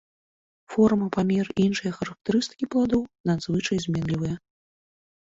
Форма, памер і іншыя характарыстыкі пладоў надзвычай зменлівыя.